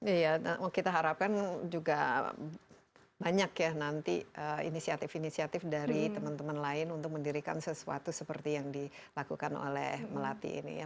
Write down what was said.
iya kita harapkan juga banyak ya nanti inisiatif inisiatif dari teman teman lain untuk mendirikan sesuatu seperti yang dilakukan oleh melati ini ya